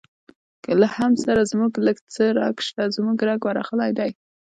له حمد سره زموږ لږ څه رګ شته، زموږ رګ ورغلی دی.